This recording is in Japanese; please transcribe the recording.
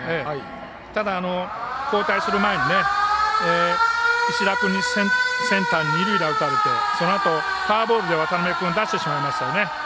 ただ、交代する前に石田君にセンターに、二塁打を打たれてそのあとフォアボールで渡邊君を出してしまいましたね。